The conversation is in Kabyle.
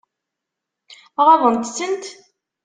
Ɣaḍent-tent?